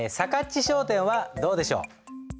ち商店はどうでしょう？